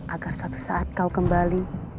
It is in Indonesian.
agar suatu saat kau kembali